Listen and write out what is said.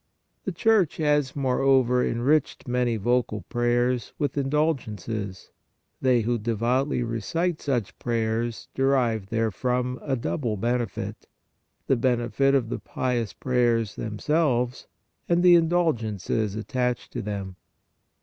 The Church has, moreover, enriched many vocal prayers with indulgences. They who devoutly recite such pray ers derive therefrom a double benefit, the benefit of the pious prayers themselves and the indulgences attached to them.